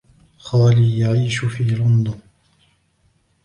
خالي يعيش في لندن.